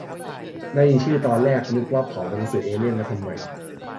ได้ยินชื่อตอนแรก นึกว่าเผาหนังเอเลี่ยนมาทำใหม่